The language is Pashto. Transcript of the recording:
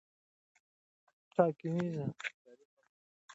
ټاکنیز شکایتونه باید واوریدل شي.